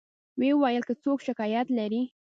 و یې ویل که څوک شکایت لري.